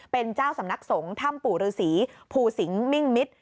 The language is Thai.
เป็นเจ้าสำนักสงฆ์ถ้ำปู่ฤษีภูสิงห์มิ่งมิตร